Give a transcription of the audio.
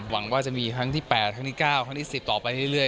หวังว่าจะมีครั้งที่๘ครั้งที่๙ครั้งที่๑๐ต่อไปเรื่อย